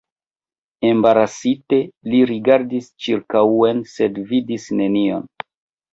Embarasite, li rigardis ĉirkaŭen, sed vidis nenion.